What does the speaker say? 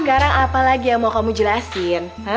sekarang apa lagi yang mau kamu jelasin